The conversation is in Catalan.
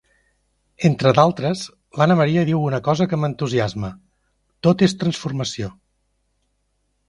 Entre d'altres, l'Anna Maria diu una cosa que m'entusiasma: «Tot és transformació.